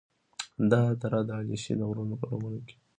دا دره د علیشي د غرونو په لمنو کې